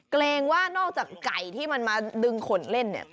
เกรงว่านอกจากไก่ที่มันมาดึงขนเล่นเนี่ย